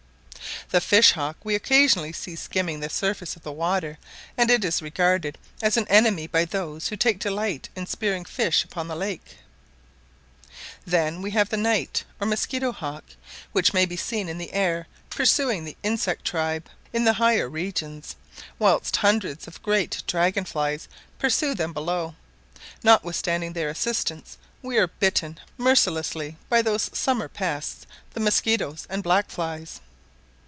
The fish hawk we occasionally see skimming the surface of the water, and it is regarded as an enemy by those who take delight in spearing fish upon the lakes. Then we have the night or mosquito hawk, which may be seen in the air pursuing the insect tribe in the higher regions, whilst hundreds of great dragonflies pursue them below; notwithstanding their assistance, we are bitten mercilessly by those summer pests the mosquitoes and black flies.